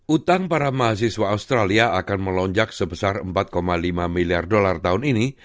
utang para mahasiswa australia akan melonjak sebesar empat lima miliar dolar tahun ini